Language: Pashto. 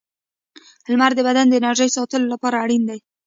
• لمر د بدن د انرژۍ ساتلو لپاره اړین دی.